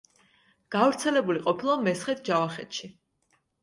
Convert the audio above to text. გავრცელებული ყოფილა მესხეთ-ჯავახეთში.